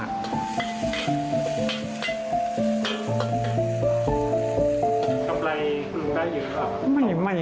ทำอะไรคุณลูกค้าอยู่ครับ